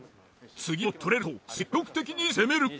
次も取れると積極的に攻める。